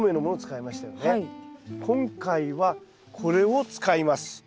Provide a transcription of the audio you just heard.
今回はこれを使います。